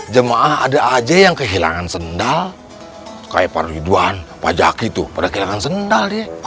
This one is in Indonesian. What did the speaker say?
jemaah ada aja yang kehilangan sendal kayak paruiduan pajak itu pada kehilangan sendal